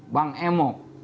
bang m muk